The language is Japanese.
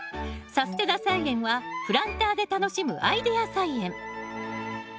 「さすてな菜園」はプランターで楽しむアイデア菜園。